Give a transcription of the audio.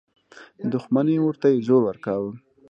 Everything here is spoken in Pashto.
د دښمني اور ته یې زور ورکاوه.